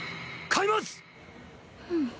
買います！